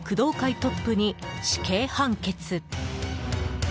トップに死刑判決。